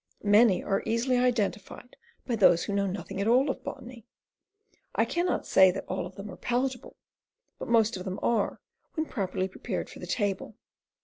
Many are easily identified by those who know nothing at all of botany. I cannot say that all of them are palatable; but most of them are, when properly prepared for the table.